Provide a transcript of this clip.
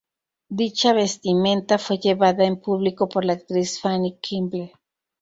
Dicha vestimenta fue llevada en público por la actriz Fanny Kemble.